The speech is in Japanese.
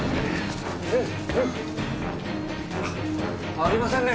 ありませんね。